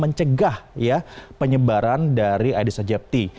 mencegah ya penyebaran dari aedes aegypti